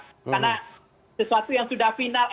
karena sesuatu yang sudah final